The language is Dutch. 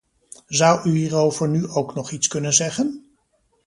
Zou u hierover nu ook nog iets kunnen zeggen?